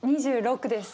２６です。